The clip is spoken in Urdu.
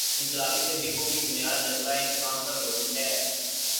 انقلابی تحریکوں کی بنیاد جذبۂ انتقام پر ہوتی ہے۔